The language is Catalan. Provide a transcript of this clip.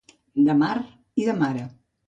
De mar i de mare.